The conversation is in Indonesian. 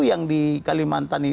yang di kalimantan ini